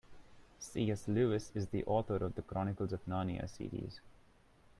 C.S. Lewis is the author of The Chronicles of Narnia series.